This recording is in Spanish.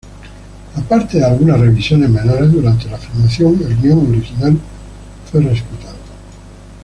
Aparte de algunas revisiones menores durante la filmación, el guion original fue respetado.